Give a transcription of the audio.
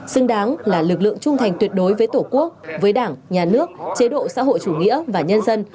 xứng đáng là lực lượng trung thành tuyệt đối với tổ quốc với đảng nhà nước chế độ xã hội chủ nghĩa và nhân dân